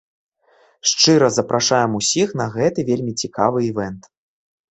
Шчыра запрашаем усіх на гэты вельмі цікавы івэнт.